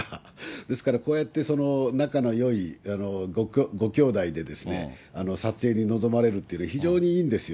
ですから、こうやって仲のよいご姉妹でですね、撮影に臨まれるっていうのは非常にいいんですよ。